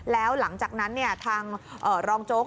แล้วหลังจากนั้นทางรองโจ๊ก